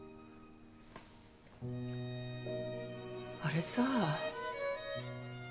あれさ。